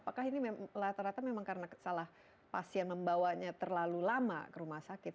apakah ini rata rata memang karena salah pasien membawanya terlalu lama ke rumah sakit